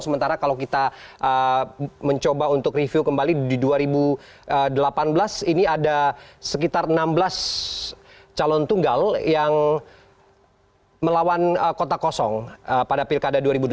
sementara kalau kita mencoba untuk review kembali di dua ribu delapan belas ini ada sekitar enam belas calon tunggal yang melawan kota kosong pada pilkada dua ribu delapan belas